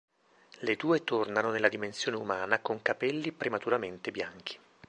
Le due tornano nella dimensione umana con capelli prematuramente bianchi.